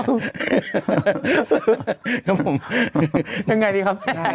ครับผมยังไงดีครับ